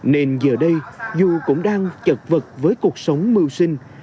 nên giờ đây dù cũng đang chật vật với cuộc sống mưu sinh